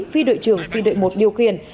phi đội trưởng phi đội một điều khiển